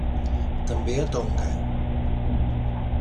També a Tonga.